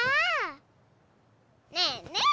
ねえねえ！